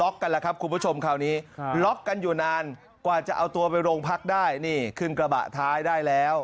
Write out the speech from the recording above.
การช่วงที่กอดปล้ำกันยังไงน้องดาว